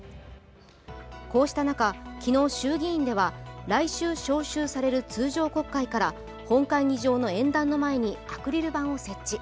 こうした中、昨日、衆議院では来週召集される通常国会から本会議場の演壇の前にアクリル板を設置。